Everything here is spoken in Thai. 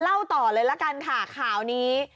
เล่าต่อเลยละกันค่ะข่าวนี้